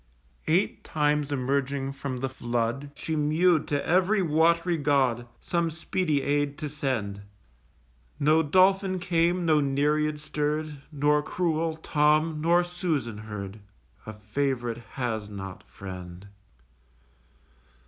Eight times emerging from the flood She mew'd to ev'ry wat'ry god, Some speedy aid to send. No Dolphin came, no Nereid stirr'd: Nor cruel Tom, nor Susan heard. A Fav'rite has not friend!